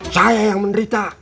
saya yang menderita